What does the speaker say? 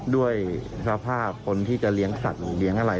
ด้วยสภาพคนที่จะเลี้ยงสัตว์เลี้ยงอะไร